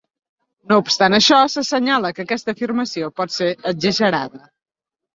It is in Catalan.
No obstant això, s'assenyala que aquesta afirmació pot ser exagerada.